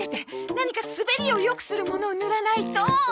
何か滑りを良くするものを塗らないと油とか！